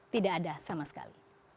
tidak ada sama sekali